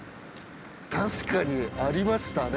確かにありましたね。